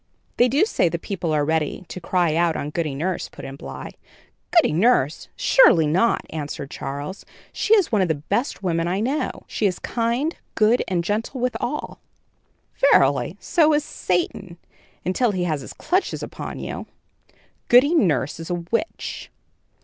"They do say the people are ready to cry out on Goody Nurse," put in Bly. "Goody Nurse! surely not," answered Charles. "She is one of the best women I know. She is kind, good and gentle with all." "Verily, so is Satan, until he has his clutches upon you. Goody Nurse is a witch."